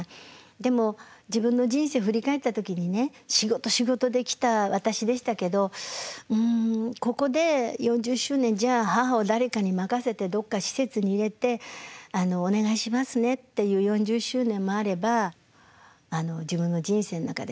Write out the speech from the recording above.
でも自分の人生振り返った時にね仕事仕事で来た私でしたけどうんここで４０周年じゃあ母を誰かに任せてどっか施設に入れて「お願いしますね」っていう４０周年もあれば自分の人生の中で後悔したくない。